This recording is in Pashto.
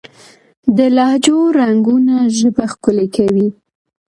د لهجو رنګونه ژبه ښکلې کوي.